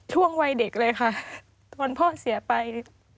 ช่วงวัยเด็กเลยค่ะวันพ่อเสียไป